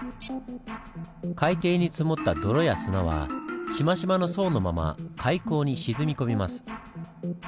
海底に積もった泥や砂はシマシマの層のまま海溝に沈み込みます。